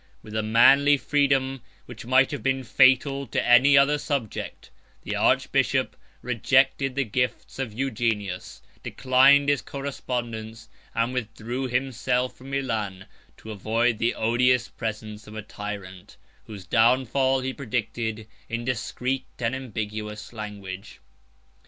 With a manly freedom, which might have been fatal to any other subject, the archbishop rejected the gifts of Eugenius, 1201 declined his correspondence, and withdrew himself from Milan, to avoid the odious presence of a tyrant, whose downfall he predicted in discreet and ambiguous language.